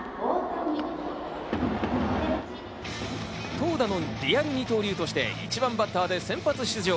投打のリアル二刀流として１番バッターで先発出場。